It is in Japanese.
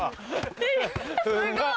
すごい。